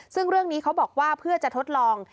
ซึ่งเรื่องนี้เขาบอกว่าเพื่อจะทดลอง